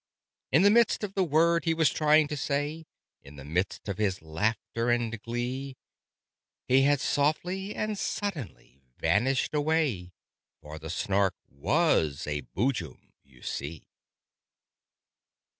In the midst of the word he was trying to say, In the midst of his laughter and glee, He had softly and suddenly vanished away For the Snark was a Boojum, you see.